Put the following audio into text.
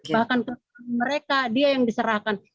bahkan kepada mereka dia yang diserahkan